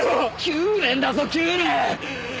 ９年だぞ９年！